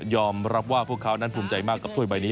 ว่าพวกเขานั้นภูมิใจมากกับถ้วยใบนี้